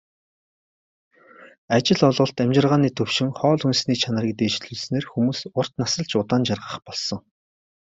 Ажил олголт, амьжиргааны түвшин, хоол хүнсний чанарыг дээшлүүлснээр хүмүүс урт насалж, удаан жаргах болсон.